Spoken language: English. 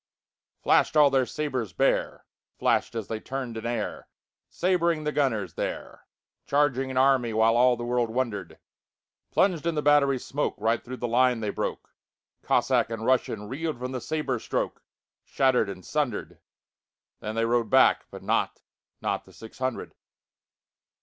Flash'd all their sabres bare, Flash'd as they turn'd in airSabring the gunners there, Charging an army, whileAll the world wonder'd:Plunged in the battery smokeRight thro' the line they broke; Cossack and RussianReel'd from the sabre strokeShatter'd and sunder'd. Then they rode back, but notNot the six hundred.